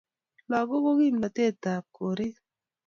lakok ko kimnatet ab koret